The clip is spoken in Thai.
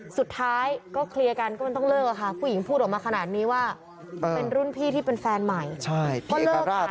สุดท้ายก็เคลียร์กันก็ต้องเลิกค่ะผู้หญิงพูดออกมาขนาดนี้ว่าเป็นรุ่นพี่ที่เป็นแฟนใหม่